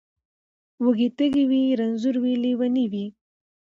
وږی تږی وي رنځور وي لېونی وي